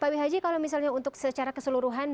pak wihaji kalau misalnya untuk secara keseluruhan